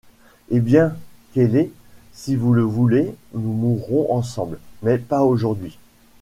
Eh bien, Kellet, si vous le voulez, nous mourrons ensemble… mais pas aujourd’hui.